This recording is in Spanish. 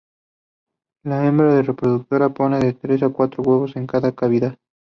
La hembra reproductora pone de tres a cuatro huevos en una cavidad.